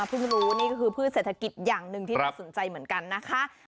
เพิ่งรู้นี่ก็คือพืชเศรษฐกิจอย่างหนึ่งที่น่าสนใจเหมือนกันนะคะ